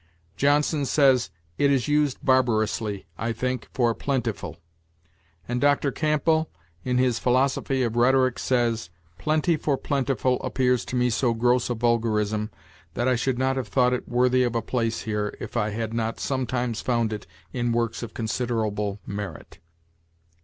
Johnson says: 'It is used barbarously, I think, for plentiful'; and Dr. Campbell, in his 'Philosophy of Rhetoric,' says: 'Plenty for plentiful appears to me so gross a vulgarism that I should not have thought it worthy of a place here if I had not sometimes found it in works of considerable merit.'"